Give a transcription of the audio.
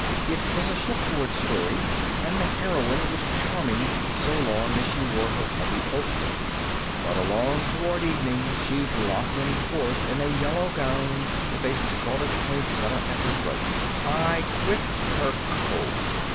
It was a shipboard story, and the heroine was charming so long as she wore her heavy ulster. But along toward evening she blossomed forth in a yellow gown, with a scarlet poinsettia at her throat. I quit her cold.